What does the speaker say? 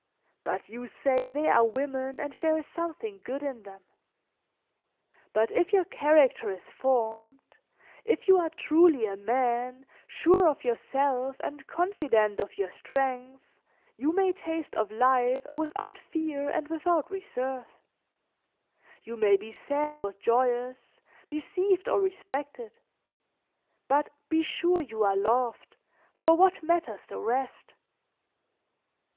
But you say they are women and there is something good in them! "But if your character is formed, if you are truly a man, sure of yourself and confident of your strength, you may taste of life without fear and without reserve; you may be sad or joyous, deceived or respected; but be sure you are loved, for what matters the rest?